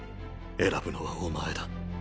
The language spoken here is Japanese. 選ぶのはお前だ。